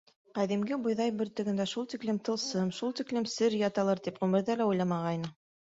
Ҡәҙимге бойҙай бөртөгөндә шул тиклем тылсым, шул тиклем сер яталыр тип ғүмерҙә уйламағайны.